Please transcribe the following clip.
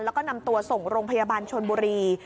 แล้วก็นำตัวส่งโรงพยาบาลชนบุรี